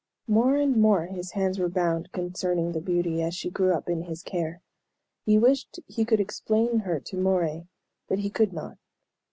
More and more his hands were bound concerning the beauty, as she grew up in his care. He wished he could explain her to Moray, but he could not.